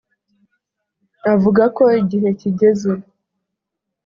avuga ko igihe kigeze.